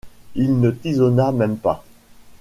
Il ne tisonna même pas.